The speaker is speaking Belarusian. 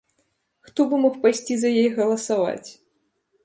Хто бы мог пайсці за яе галасаваць!?